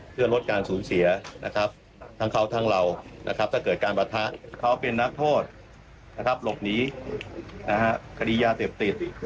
เพื่อลดการสูญเสียทั้งเขาทั้งเราถ้าเกิดการประทะเขาเป็นนักโทษหลบหนีคดียาเสพติด